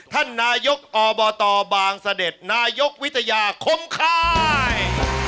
ท่านนายกอบตบางเสด็จนายกวิทยาคมค่าย